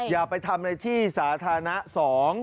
อย่าไปทำในที่สาธารณะสอง